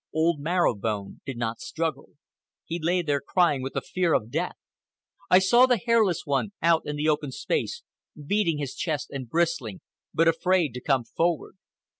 Old Marrow Bone did not struggle. He lay there crying with the fear of death. I saw the Hairless One, out in the open space, beating his chest and bristling, but afraid to come forward.